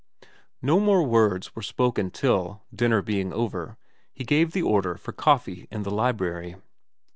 No more words were spoken till, dinner being over, he gave the order for coffee in the library.